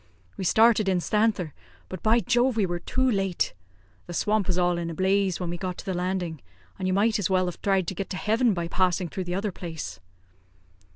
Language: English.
We started instanther, but, by Jove! we were too late. The swamp was all in a blaze when we got to the landing, and you might as well have thried to get to heaven by passing through the other place."